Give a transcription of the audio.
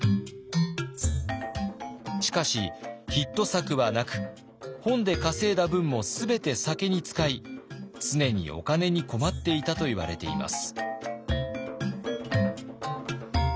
しかしヒット作はなく本で稼いだ分も全て酒に使い常にお金に困っていたといわれています。